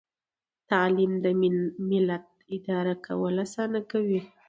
تعلیم د ملت اداره کول اسانه کوي.